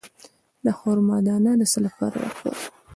د خرما دانه د څه لپاره وکاروم؟